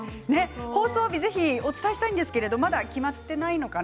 放送日、ぜひお伝えしたいんですけれどまだ決まっていないのかな？